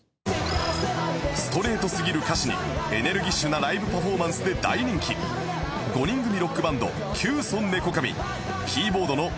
ストレートすぎる歌詞にエネルギッシュなライブパフォーマンスで大人気５人組ロックバンドキュウソネコカミキーボードのヨコタシンノスケさん